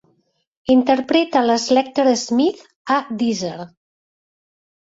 Interpreta Les Lecter Smith a Deezer.